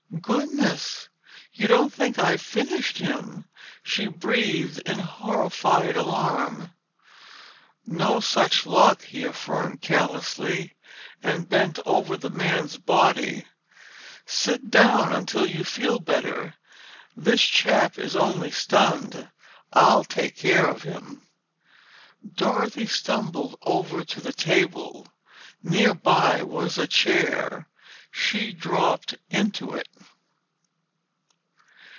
"Goodness! You don't think I've finished him?" she breathed in horrified alarm. "No such luck," he affirmed callously and bent over the man's body. "Sit down until you feel better. This chap is only stunned. I'll take care of him." Dorothy stumbled over to the table. Near by was a chair. She dropped into it.